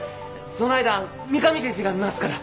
その間三上先生が診ますから。